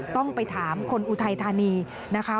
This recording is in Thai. ต้องไปถามคนอุทัยธานีนะคะ